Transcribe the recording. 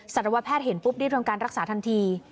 สัตวแพทย์เห็นปุ๊บได้ต้องการรักษาทันที